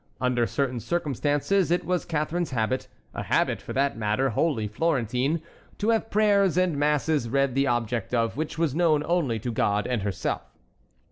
Under certain circumstances it was Catharine's habit—a habit, for that matter, wholly Florentine—to have prayers and masses read the object of which was known only to God and herself.